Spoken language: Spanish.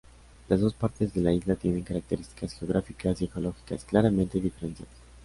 Las dos partes de la isla tienen características geográficas y ecológicas claramente diferenciadas.